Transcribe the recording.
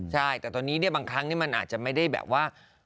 ใช่แต่ตอนนี้เนี่ยบางครั้งมันอาจจะไม่ได้แบบว่า